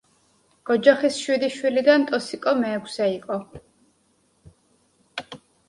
ოჯახის შვიდი შვილიდან, ტოსიკო მეექვსე იყო.